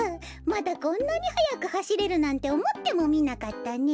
まだこんなにはやくはしれるなんておもってもみなかったね。